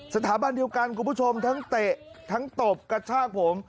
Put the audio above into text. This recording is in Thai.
สถาบันเดียวกันคุณผู้ชมทั้งเตะทั้งตบกระชากผม